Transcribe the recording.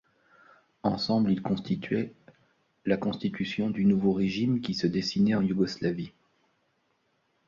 Ensemble, ils constituaient la constitution du nouveau régime qui se dessinait en Yougoslavie.